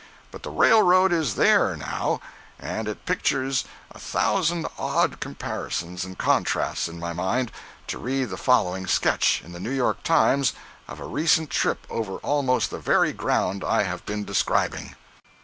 But the railroad is there, now, and it pictures a thousand odd comparisons and contrasts in my mind to read the following sketch, in the New York Times, of a recent trip over almost the very ground I have been describing.